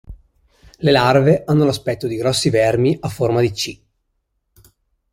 Le larve hanno l'aspetto di grossi vermi a forma di "C".